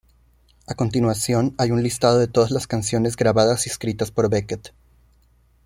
A continuación hay un listado de todas las canciones grabadas y escritas por Beckett.